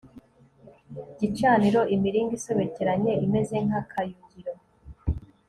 gicaniro imiringa isobekeranye imeze nk akayungiro